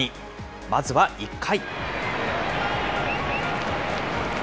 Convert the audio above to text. まずは１回。